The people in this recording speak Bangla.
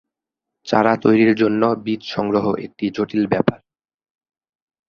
চারা তৈরির জন্য বীজ সংগ্রহ একটি জটিল ব্যাপার।